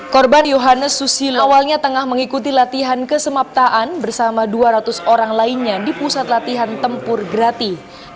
korban yohanes susilo awalnya tengah mengikuti latihan kesemaptaan bersama dua ratus orang lainnya di pusat latihan tempur gratis